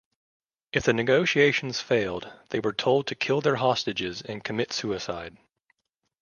If the negotiations failed, they were told to kill their hostages and commit suicide.